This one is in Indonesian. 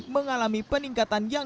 mengalami peningkatan yang ganda